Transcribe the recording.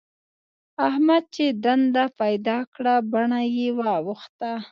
احمد چې دنده پيدا کړه؛ بڼه يې واوښته.